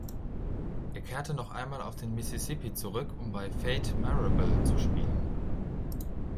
Er kehrte noch einmal auf den Mississippi zurück, um bei Fate Marable zu spielen.